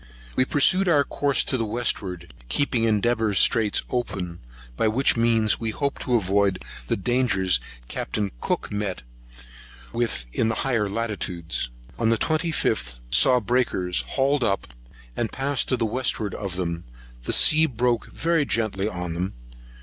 We pursued our course to the westward, keeping Endeavour Straits open, by which means we hoped to avoid the dangers Capt. Cook met with in higher latitudes. On the 25th, saw breakers; hauled up, and passed to the westward of them; the sea broke very gently on them.